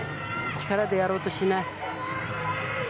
力でやろうとしない。